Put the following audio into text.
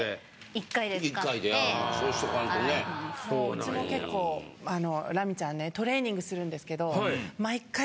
うちも結構あのラミちゃんねトレーニングするんですけど。